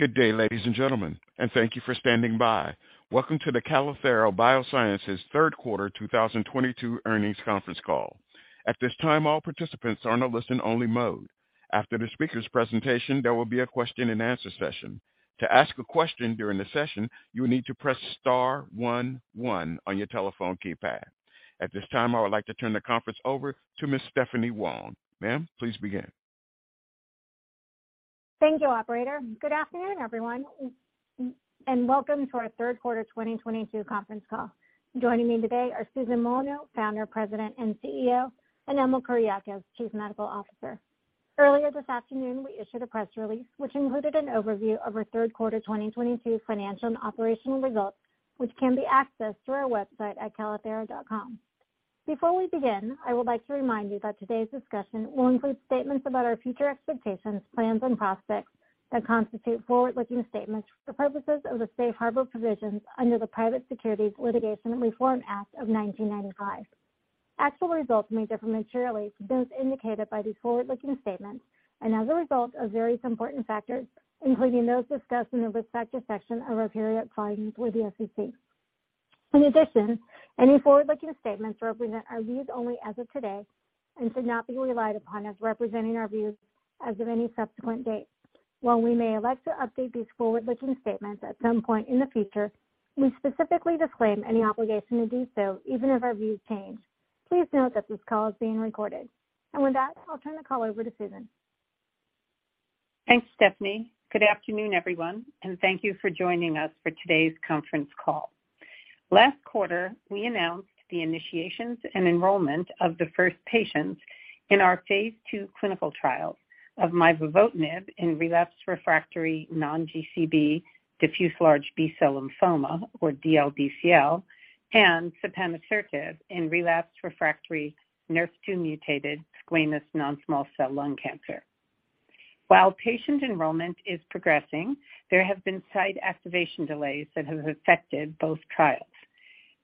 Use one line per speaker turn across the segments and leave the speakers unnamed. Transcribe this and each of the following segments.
Good day, ladies and gentlemen, and thank you for standing by. Welcome to the Calithera Biosciences Q3 2022 Earnings Conference Call. At this time, all participants are in a listen only mode. After the speaker's presentation, there will be a question and answer session. To ask a question during the session, you will need to press star one one on your telephone keypad. At this time, I would like to turn the conference over to Ms. Stephanie Wong. Ma'am, please begin.
Thank you, operator. Good afternoon, everyone, and welcome to our Q3 2022 conference call. Joining me today are Susan Molineaux, Founder, President, and CEO, and Emil Kuriakose, Chief Medical Officer. Earlier this afternoon, we issued a press release which included an overview of our Q3 2022 financial and operational results, which can be accessed through our website at calithera.com. Before we begin, I would like to remind you that today's discussion will include statements about our future expectations, plans and prospects that constitute forward-looking statements for the purposes of the Safe Harbor Provisions under the Private Securities Litigation Reform Act of 1995. Actual results may differ materially from those indicated by these forward-looking statements and as a result of various important factors, including those discussed in the risk factor section of our periodic filings with the SEC. In addition, any forward-looking statements represent our views only as of today and should not be relied upon as representing our views as of any subsequent date. While we may elect to update these forward-looking statements at some point in the future, we specifically disclaim any obligation to do so, even if our views change. Please note that this call is being recorded. With that, I'll turn the call over to Susan.
Thanks, Stephanie. Good afternoon, everyone, and thank you for joining us for today's conference call. Last quarter, we announced the initiations and enrollment of the first patients in our Phase II clinical trials of mivavotinib in relapsed refractory non-GCB diffuse large B-cell lymphoma, or DLBCL, and sapanisertib in relapsed refractory NRF2 mutated squamous non-small cell lung cancer. While patient enrollment is progressing, there have been site activation delays that have affected both trials.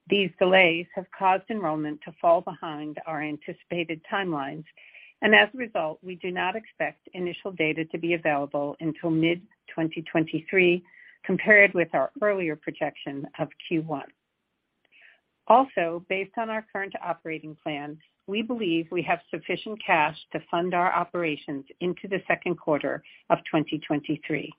These delays have caused enrollment to fall behind our anticipated timelines, and as a result, we do not expect initial data to be available until mid-2023, compared with our earlier projection of Q1. Also, based on our current operating plan, we believe we have sufficient cash to fund our operations into the Q2 of 2023.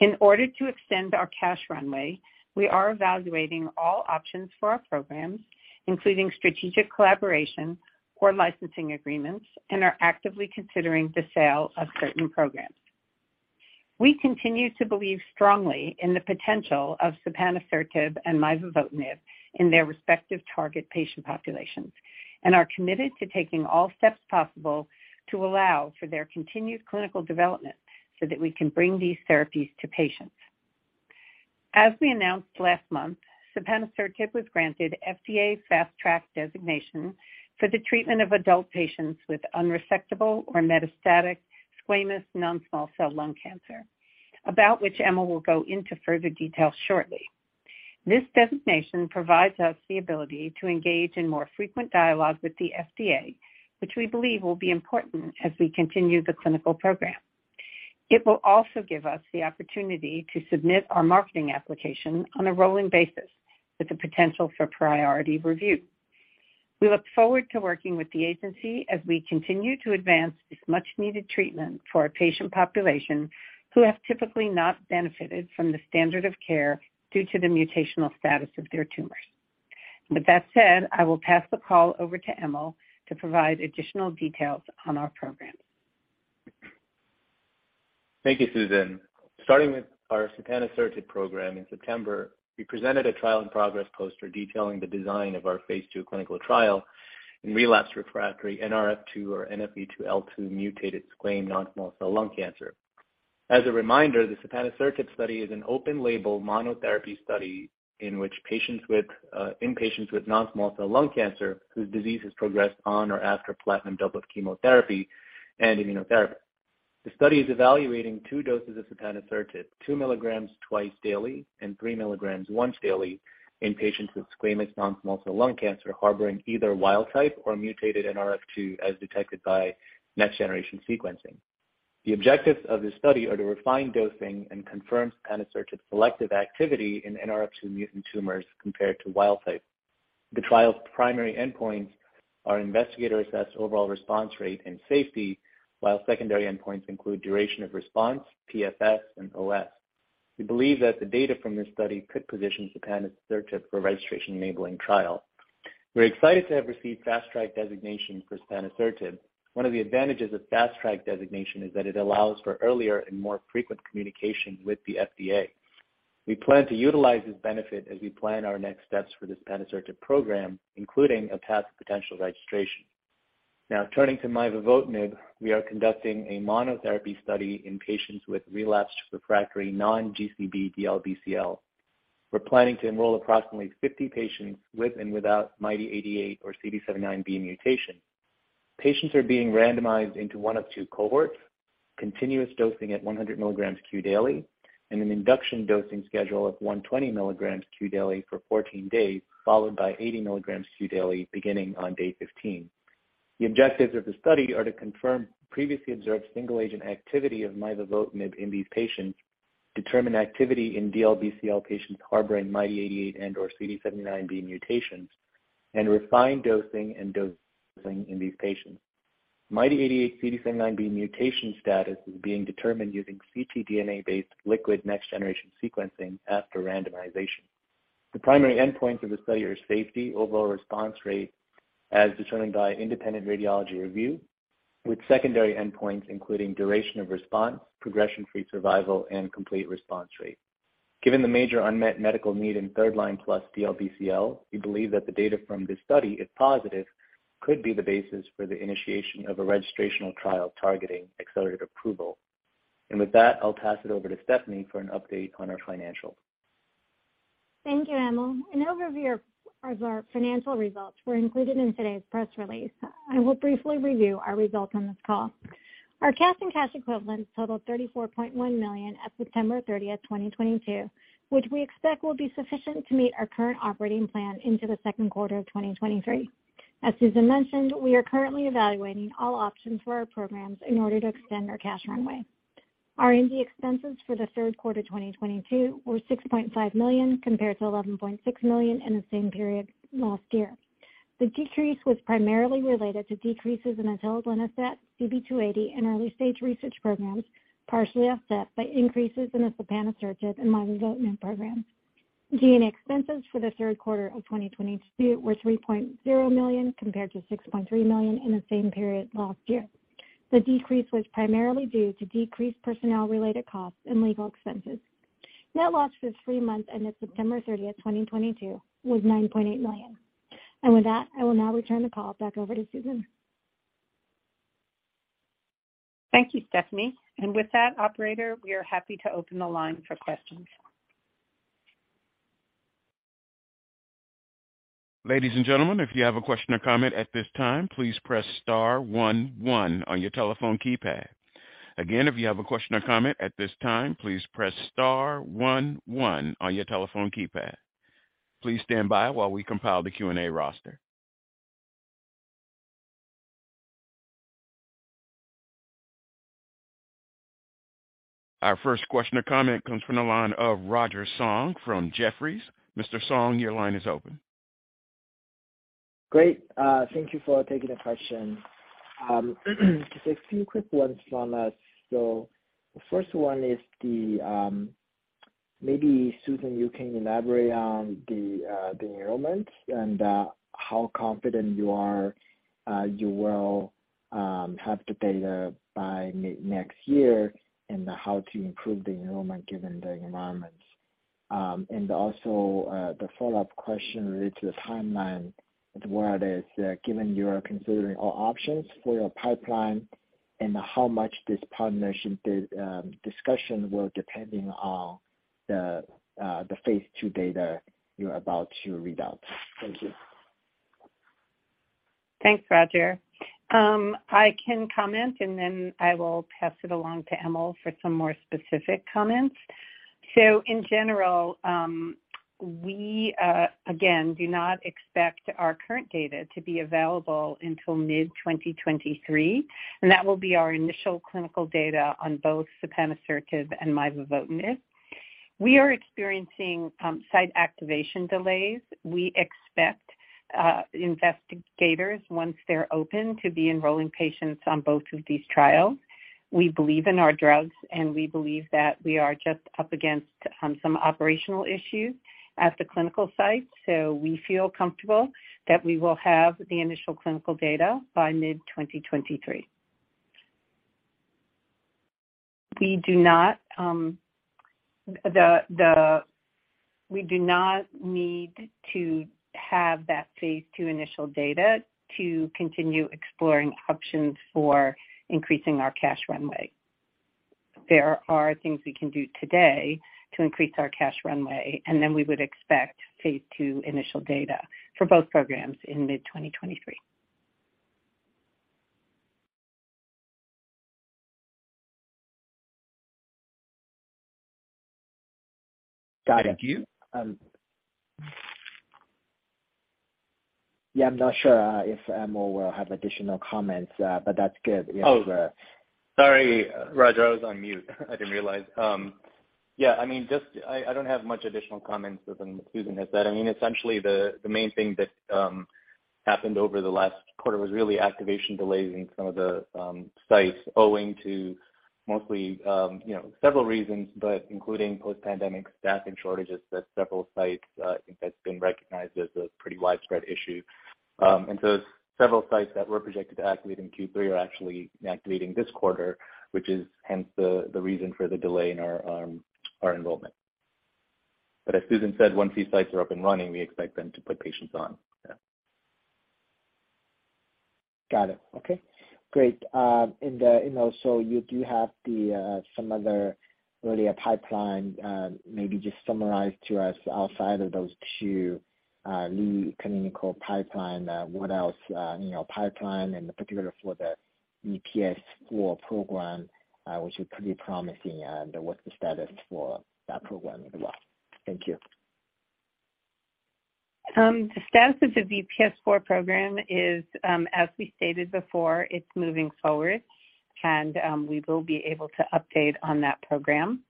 In order to extend our cash runway, we are evaluating all options for our programs, including strategic collaboration or licensing agreements, and are actively considering the sale of certain programs. We continue to believe strongly in the potential of sapanisertib and mivavotinib in their respective target patient populations and are committed to taking all steps possible to allow for their continued clinical development so that we can bring these therapies to patients. As we announced last month, sapanisertib was granted FDA Fast Track designation for the treatment of adult patients with unresectable or metastatic squamous non-small cell lung cancer, about which Emil will go into further detail shortly. This designation provides us the ability to engage in more frequent dialogue with the FDA, which we believe will be important as we continue the clinical program. It will also give us the opportunity to submit our marketing application on a rolling basis with the potential for priority review. We look forward to working with the agency as we continue to advance this much needed treatment for our patient population who have typically not benefited from the standard of care due to the mutational status of their tumors. With that said, I will pass the call over to Emil to provide additional details on our programs.
Thank you, Susan. Starting with our sapanisertib program in September, we presented a trial in progress poster detailing the design of our Phase II clinical trial in relapsed refractory NRF2 or NFE2L2 mutated squamous non-small cell lung cancer. As a reminder, the sapanisertib study is an open-label monotherapy study in which patients with non-small cell lung cancer whose disease has progressed on or after platinum doublet chemotherapy and immunotherapy. The study is evaluating two doses of sapanisertib, 2 milligrams twice daily and 3 milligrams once daily in patients with squamous non-small cell lung cancer harboring either wild type or mutated NRF2 as detected by next generation sequencing. The objectives of this study are to refine dosing and confirm sapanisertib's selective activity in NRF2 mutant tumors compared to wild type. The trial's primary endpoints are investigator-assessed overall response rate and safety, while secondary endpoints include duration of response, PFS and OS. We believe that the data from this study could position sapanisertib for registration-enabling trial. We're excited to have received Fast Track designation for sapanisertib. One of the advantages of Fast Track designation is that it allows for earlier and more frequent communication with the FDA. We plan to utilize this benefit as we plan our next steps for the sapanisertib program, including a path to potential registration. Now turning to mivavotinib, we are conducting a monotherapy study in patients with relapsed refractory non-GCB DLBCL. We're planning to enroll approximately 50 patients with and without MYD88 or CD79B mutation. Patients are being randomized into one of two cohorts, continuous dosing at 100 milligrams Q daily and an induction dosing schedule of 120 milligrams Q daily for 14 days, followed by 80 milligrams Q daily beginning on day 15. The objectives of the study are to confirm previously observed single agent activity of mivavotinib in these patients, determine activity in DLBCL patients harboring MYD88 and/or CD79B mutations, and refine dosing in these patients. MYD88/CD79B mutation status is being determined using ctDNA-based liquid next-generation sequencing after randomization. The primary endpoints of the study are safety, overall response rate as determined by independent radiology review, with secondary endpoints including duration of response, progression-free survival, and complete response rate. Given the major unmet medical need in third-line plus DLBCL, we believe that the data from this study, if positive, could be the basis for the initiation of a registrational trial targeting accelerated approval. With that, I'll pass it over to Stephanie for an update on our financials.
Thank you, Emil. An overview of our financial results were included in today's press release. I will briefly review our results on this call. Our cash and cash equivalents totaled $34.1 million at September 30, 2022, which we expect will be sufficient to meet our current operating plan into the Q2 of 2023. As Susan mentioned, we are currently evaluating all options for our programs in order to extend our cash runway. Our R&D expenses for the Q3 2022 were $6.5 million compared to $11.6 million in the same period last year. The decrease was primarily related to decreases in telaglenastat, CB-280, and early-stage research programs, partially offset by increases in the sapanisertib and mivavotinib programs. G&A expenses for the Q3 of 2022 were $3.0 million compared to $6.3 million in the same period last year. The decrease was primarily due to decreased personnel-related costs and legal expenses. Net loss for the three months ended September thirtieth, 2022, was $9.8 million. With that, I will now return the call back over to Susan.
Thank you, Stephanie. With that, operator, we are happy to open the line for questions.
Ladies and gentlemen, if you have a question or comment at this time, please press star one one on your telephone keypad. Again, if you have a question or comment at this time, please press star one one on your telephone keypad. Please stand by while we compile the Q&A roster. Our first question or comment comes from the line of Roger Song from Jefferies. Mr. Song, your line is open.
Great. Thank you for taking the question. Just a few quick ones from us. The first one is the, maybe Susan, you can elaborate on the enrollments and, how confident you are you will have the data by next year and how to improve the enrollment given the environments. And also, the follow-up question relates to the timeline where there's, given you are considering all options for your pipeline and how much the partnership discussions will depend on the Phase II data you're about to read out. Thank you.
Thanks, Roger. I can comment, and then I will pass it along to Emil for some more specific comments. In general, we again do not expect our current data to be available until mid-2023, and that will be our initial clinical data on both sapanisertib and mivavotinib. We are experiencing site-activation delays. We expect investigators, once they're open, to be enrolling patients on both of these trials. We believe in our drugs, and we believe that we are just up against some operational issues at the clinical sites, so we feel comfortable that we will have the initial clinical data by mid-2023. We do not need to have that Phase II initial data to continue exploring options for increasing our cash runway. There are things we can do today to increase our cash runway, and then we would expect Phase II initial data for both programs in mid-2023.
Got it.
Thank you.
Yeah, I'm not sure if Emil will have additional comments, but that's good if.
Oh, sorry, Roger. I was on mute. I didn't realize. Yeah, I mean, just I don't have much additional comments other than what Susan has said. I mean, essentially the main thing that happened over the last quarter was really activation delays in some of the sites owing to mostly you know several reasons, but including post-pandemic staffing shortages at several sites. I think that's been recognized as a pretty widespread issue. Several sites that were projected to activate in Q3 are actually activating this quarter, which is hence the reason for the delay in our enrollment. As Susan said, once these sites are up and running, we expect them to put patients on. Yeah.
Got it. Okay. Great. So you do have some other really a pipeline. Maybe just summarize to us outside of those two lead clinical pipeline, what else, pipeline, and in particular for the VPS4 program, which is pretty promising, and what's the status for that program as well? Thank you.
The status of the VPS4 program is, as we stated before, it's moving forward, and we will be able to update on that program.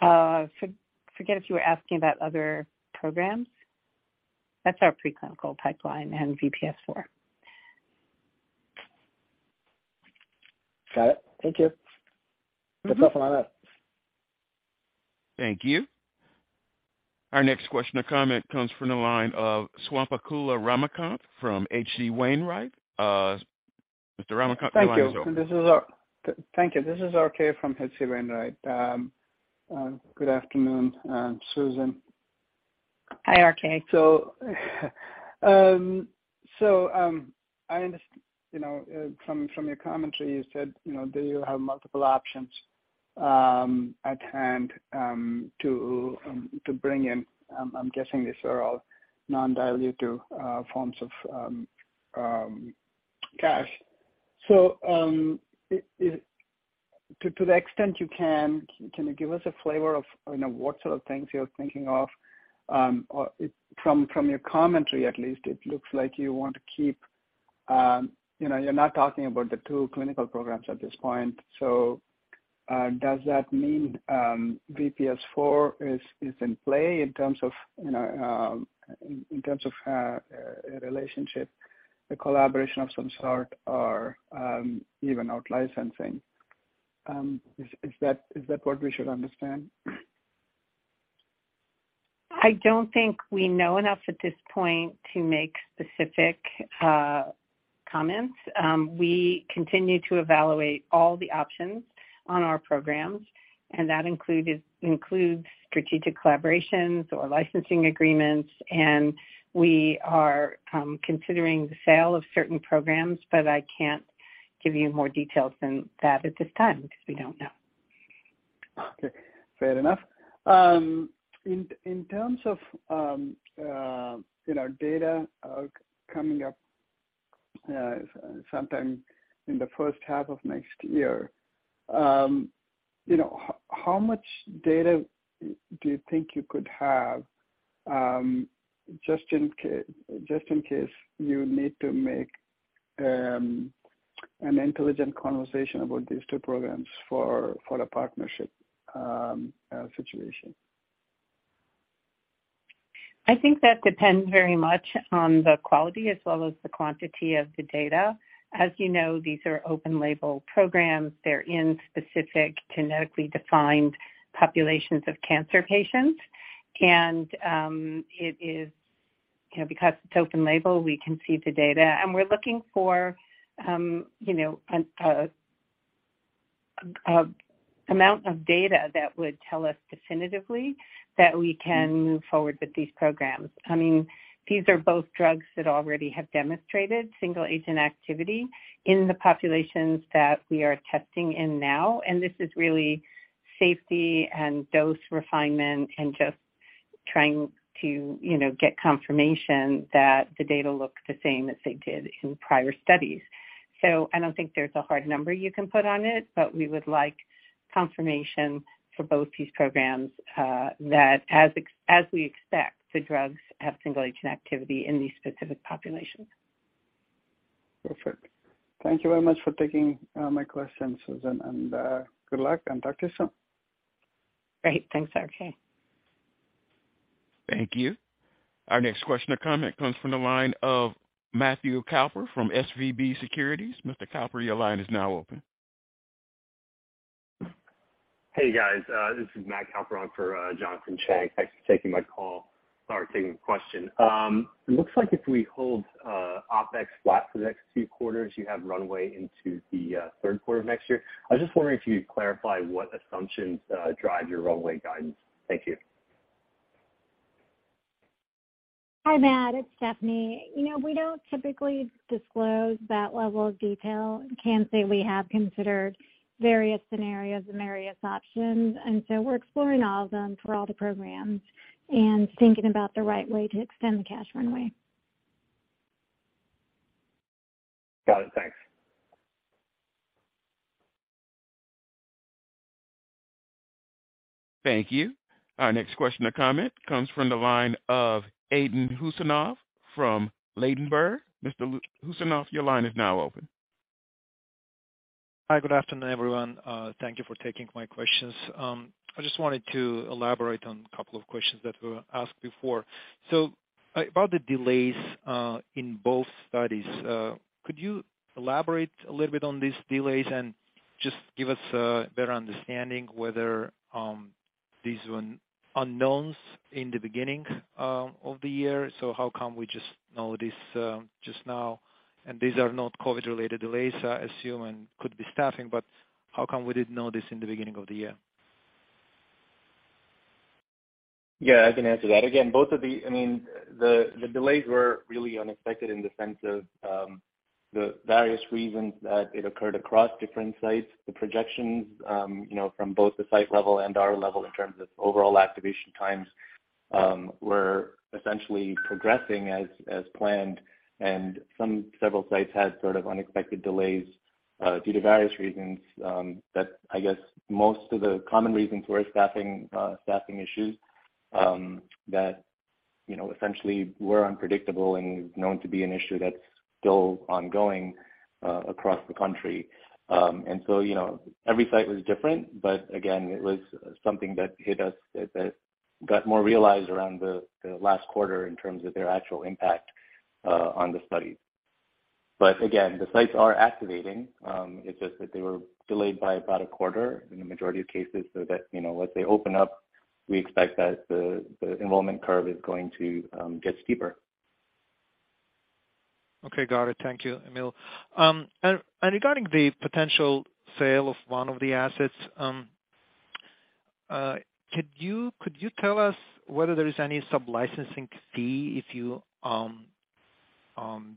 Forget if you were asking about other programs. That's our preclinical pipeline and VPS4.
Got it. Thank you. Mm-hmm. That's all from my end.
Thank you. Our next question or comment comes from the line of Swayampakula Ramakanth from H.C. Wainwright & Co. Mr. Ramakanth, your line is open.
Thank you. This is RK from H.C. Wainwright. Good afternoon, Susan.
Hi, RK.
From your commentary you said that you have multiple options at hand to bring in. I'm guessing these are all non-dilutive forms of cash. To the extent you can you give us a flavor of what sort of things you're thinking of or from your commentary at least it looks like you want to keep them. You're not talking about the two clinical programs at this point. Does that mean VPS4 is in play in terms of in terms of a relationship a collaboration of some sort or even out-licensing? Is that what we should understand?
I don't think we know enough at this point to make specific comments. We continue to evaluate all the options on our programs and that includes strategic collaborations or licensing agreements, and we are considering the sale of certain programs, but I can't give you more details than that at this time because we don't know.
Okay, fair enough. In terms of, data coming up sometime in the H1 of next year, how much data do you think you could have, just in case you need to make an intelligent conversation about these two programs for a partnership situation?
I think that depends very much on the quality as well as the quantity of the data. As you know, these are open label programs. They're in specific genetically defined populations of cancer patients. It is, because it's open label, we can see the data. We're looking for, an amount of data that would tell us definitively that we can move forward with these programs. I mean, these are both drugs that already have demonstrated single agent activity in the populations that we are testing in now. This is really safety and dose refinement and just trying to, you know, get confirmation that the data looks the same as they did in prior studies. I don't think there's a hard number you can put on it, but we would like confirmation for both these programs, that as we expect, the drugs have single agent activity in these specific populations.
Perfect. Thank you very much for taking my questions, Susan, and good luck and talk to you soon.
Great. Thanks, RK.
Thank you. Our next question or comment comes from the line of Matthew Kolb from SVB Securities. Mr. Kolper, your line is now open.
Hey, guys. This is Matthew Kolb on for Jonathan Chang. Thanks for taking my question. It looks like if we hold OpEx flat for the next few quarters, you have runway into the Q3 of next year. I was just wondering if you could clarify what assumptions drive your runway guidance. Thank you.
Hi, Matt. It's Stephanie. We don't typically disclose that level of detail. I can say we have considered various scenarios and various options, and so we're exploring all of them for all the programs and thinking about the right way to extend the cash runway.
Got it. Thanks.
Thank you. Our next question or comment comes from the line of Aydin Huseynov from Ladenburg. Mr. Huseynov, your line is now open.
Hi, good afternoon, everyone. Thank you for taking my questions. I just wanted to elaborate on a couple of questions that were asked before. About the delays in both studies, could you elaborate a little bit on these delays and just give us a better understanding whether these were unknowns in the beginning of the year, so how come we just know this just now? These are not COVID-19 related delays, I assume, and could be staffing, but how come we didn't know this in the beginning of the year?
Yeah, I can answer that. Again, I mean, the delays were really unexpected in the sense of the various reasons that it occurred across different sites. The projections, from both the site level and our level in terms of overall activation times, were essentially progressing as planned, and some several sites had sort of unexpected delays due to various reasons that I guess most of the common reasons were staffing issues that, you know, essentially were unpredictable and known to be an issue that's still ongoing across the country. Every site was different, but again, it was something that hit us that got more realized around the last quarter in terms of their actual impact on the study. Again, the sites are activating. It's just that they were delayed by about a quarter in the majority of cases, so that, once they open up, we expect that the enrollment curve is going to get steeper.
Okay, got it. Thank you, Emil. Regarding the potential sale of one of the assets, could you tell us whether there is any sublicensing fee if you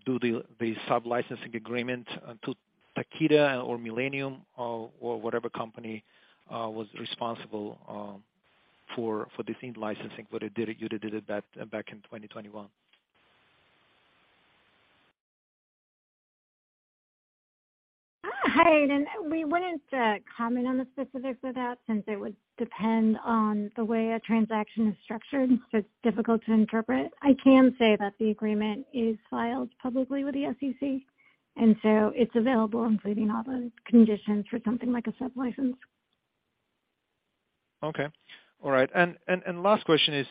do the sublicensing agreement to Takeda or Millennium or whatever company was responsible for this in-licensing, but you did it back in 2021?
Hi, Aydin. We wouldn't comment on the specifics of that since it would depend on the way a transaction is structured, so it's difficult to interpret. I can say that the agreement is filed publicly with the SEC, and so it's available including all the conditions for something like a sublicense.
Okay. All right. Last question is,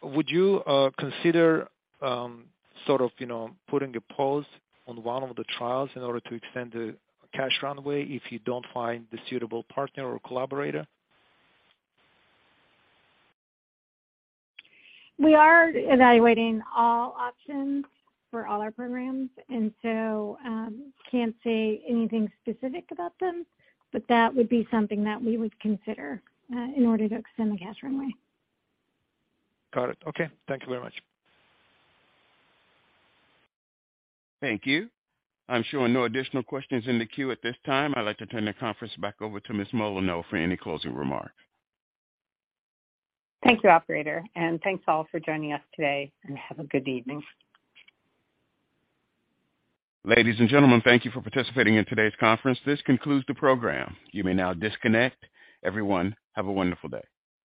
would you consider sort of, putting a pause on one of the trials in order to extend the cash runway if you don't find the suitable partner or collaborator?
We are evaluating all options for all our programs, and so, can't say anything specific about them, but that would be something that we would consider, in order to extend the cash runway.
Got it. Okay. Thank you very much.
Thank you. I'm showing no additional questions in the queue at this time. I'd like to turn the conference back over to Ms. Molineaux for any closing remarks.
Thank you, operator, and thanks all for joining us today, and have a good evening.
Ladies and gentlemen, thank you for participating in today's conference. This concludes the program. You may now disconnect. Everyone, have a wonderful day.